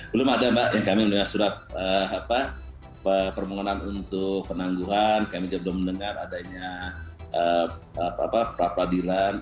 belum ada mbak yang kami mendengar surat permohonan untuk penangguhan kami juga belum mendengar adanya pra peradilan